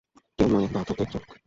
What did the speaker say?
কেউ নয়ে দর ধরতে ইচ্ছুক?